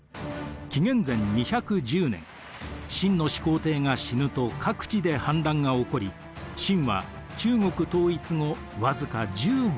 紀元前２１０年秦の始皇帝が死ぬと各地で反乱が起こり秦は中国統一後僅か１５年で滅亡しました。